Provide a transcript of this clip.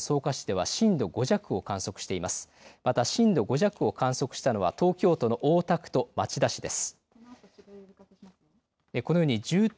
また震度５弱を観測したのは東京都の大田区と町田市です。